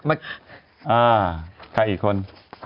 เอ้าใครอีกคน